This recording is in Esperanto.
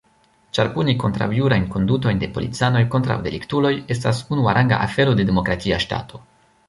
Ĉar puni kontraŭjurajn kondutojn de policanoj kontraŭ deliktuloj estas unuaranga afero de demokratia ŝtato.